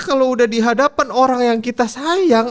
kalo udah dihadapan orang yang kita sayang